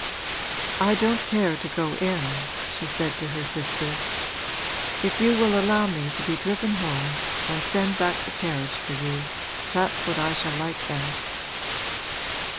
'I don't care to go in,' she said to her sister. 'If you will allow me to be driven home and send back the carriage for you, that's what I shall like best.'